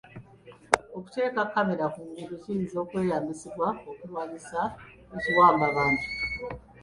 Okuteeka kkamera ku nguudo kiyinza okweyambisibwa okulwanyisa ekiwambabantu.